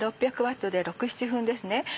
６００Ｗで６７分ですね。